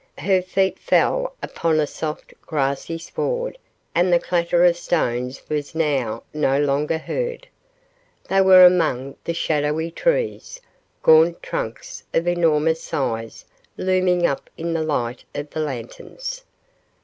Her feet fell upon a soft, grassy sward and the clatter of stones was now no longer heard. They were among the shadowy trees, gaunt trunks of enormous size looming up in the light of the lanterns.